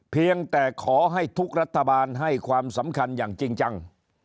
เพียงแต่ขอให้ทุกรัฐบาลให้ความสำคัญอย่างจริงจัง